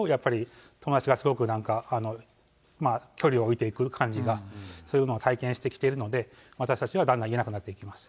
ちょっと言ってみると、やっぱり友達がすごく距離を置いていく感じが、そういうのを体験してきているので、私たちはだんだん言えなくなっていきます。